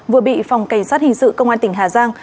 vừa bị phòng cảnh sát hình sự công an tỉnh hà giang